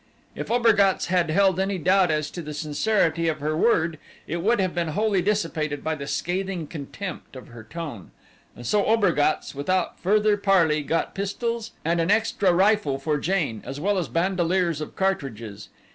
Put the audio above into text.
If Obergatz had held any doubt as to the sincerity of her word it would have been wholly dissipated by the scathing contempt of her tone. And so Obergatz, without further parley, got pistols and an extra rifle for Jane, as well as bandoleers of cartridges.